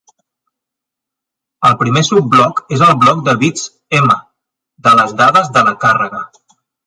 El primer subbloc és el bloc de bits "m" de les dades de la càrrega.